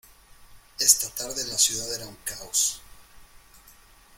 Esta tarde la ciudad era un caos.